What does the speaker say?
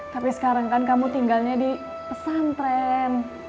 tapi sekarang kan kamu tinggalnya di pesantren